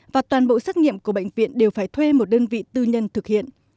và toàn bộ xét nghiệm của bệnh viện đều phải thuê một đơn vị tư nhân thực hiện